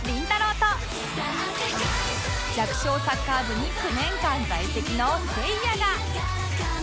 と弱小サッカー部に９年間在籍のせいやが